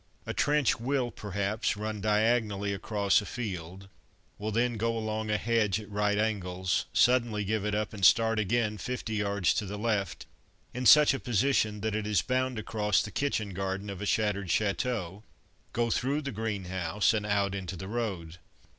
A trench will, perhaps, run diagonally across a field, will then go along a hedge at right angles, suddenly give it up and start again fifty yards to the left, in such a position that it is bound to cross the kitchen garden of a shattered chateau, go through the greenhouse and out into the road.